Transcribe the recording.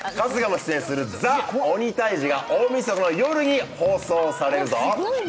春日も出演する「ＴＨＥ鬼タイジ」が大みそかの夜に放送されるぞ。